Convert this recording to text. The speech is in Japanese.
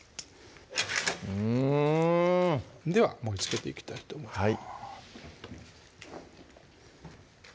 うんでは盛りつけていきたいと思います